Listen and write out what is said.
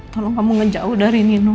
tolong kamu ngejauh dari minum